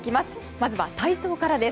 まずは体操からです。